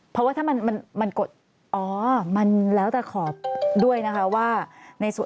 เพราะว่าถ้ามันกดอ๋อมันแล้วแต่ขอบด้วยนะคะว่าในส่วน